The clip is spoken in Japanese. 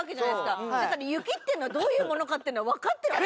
だから雪っていうのはどういうものかっていうのは分かってるはず。